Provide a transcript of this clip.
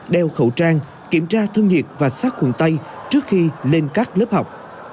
đeo khẩu trang kiểm tra thương nhiệt và sát khuẩn tay trước khi lên các lớp học